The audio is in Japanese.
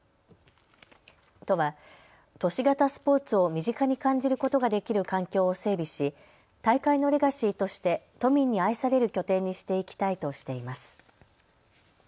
都は都市型スポーツを身近に感じることができる環境を整備し大会のレガシーとして都民に愛される拠点にしていきたいとしています。